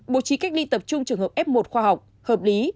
bố trí cách ly tập trung trường hợp f một khoa học hợp lý